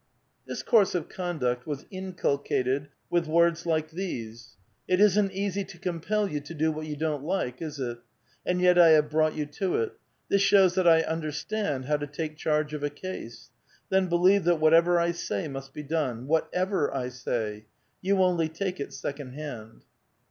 This course of conduct was inculcated with words like these :" It isn't easy to compel you to do what you don't like, is it? and yet I have brought you to it. This shows that I understand how to take charge of a case. Then be lieve that whatever I say must be done. Whatever I sa}'^ ; you only take it second hand."